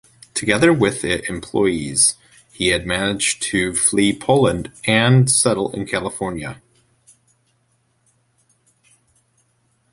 Together with it employees, he managed to flee Poland and settle in California.